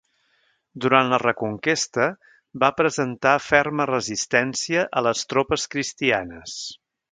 Durant la reconquesta, va presentar ferma resistència a les tropes cristianes.